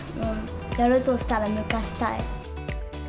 やるとしたら抜かしたい。